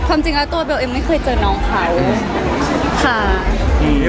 ด่าจำด้วยเหลือเชิญเหมือนกันคือ